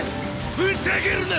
ふざけるな！